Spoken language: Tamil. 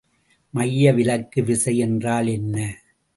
மைய விலக்கு விசை என்றால் என்ன?